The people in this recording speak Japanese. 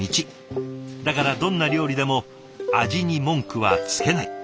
だからどんな料理でも味に文句はつけない。